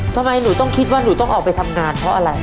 ทำไมหนูต้องคิดว่าหนูต้องออกไปทำงานเพราะอะไร